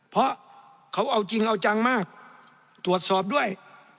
เพราะเขาเอาจริงเอาจังมากตรวจสอบด้วย